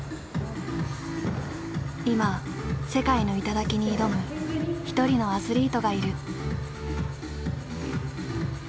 今世界の頂に挑む一人のアスリートがいる。